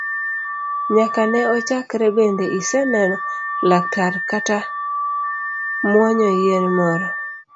Nyaka ne ochakre bende iseneno laktar kata muonyo yien moro?